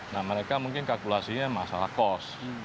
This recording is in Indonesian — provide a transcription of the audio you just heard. nah mereka mungkin kalkulasinya masalah kos